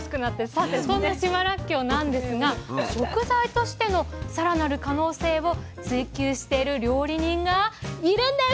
さてそんな島らっきょうなんですが食材としてのさらなる可能性を追求している料理人がいるんです！